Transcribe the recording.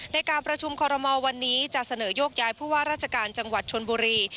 ในการประชุมคอรมอลวันนี้จะเสนอยกย้ายผู้ว่าราชการจังหวัดชนบุรี